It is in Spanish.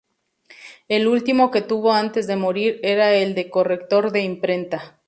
El último que tuvo antes de morir era el de corrector de imprenta.